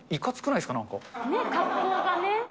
格好がね。